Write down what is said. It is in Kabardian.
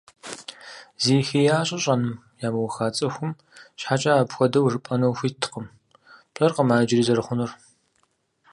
Зи хеящӀэ щӀэн ямыуха цӀыхум щхьэкӀэ апхуэдэу жыпӀэну ухуиткъым, пщӀэркъым ар иджыри зэрыхъунур.